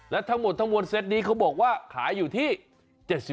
และทั้งหมดเซ็ตนี้เขาบอกว่าขายอยู่ที่